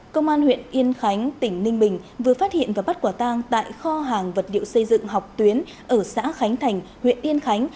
công an huyện yên khánh tỉnh ninh bình vừa phát hiện và bắt quả tang tại kho hàng vật liệu xây dựng học tuyến ở xã khánh thành huyện yên khánh